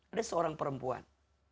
ada seorang perempuan